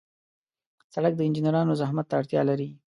سړک د انجنیرانو زحمت ته اړتیا لري.